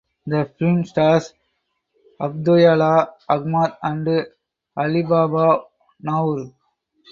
The film stars Abdoulaye Ahmat and Ali Baba Nour.